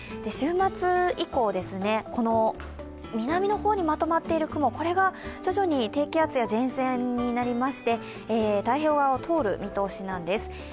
週末以降、南の方にまとまっている雲が徐々に低気圧や前線になりまして太平洋側を通る見通しなんです。